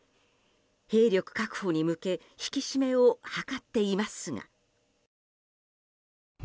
兵力確保に向け引き締めを図っていますが。